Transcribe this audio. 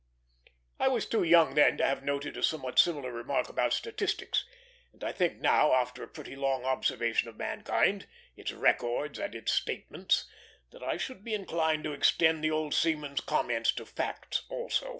I was too young then to have noted a somewhat similar remark about statistics; and I think now, after a pretty long observation of mankind, its records and its statements, that I should be inclined to extend that old seaman's comments to facts also.